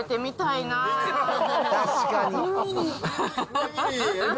確かに。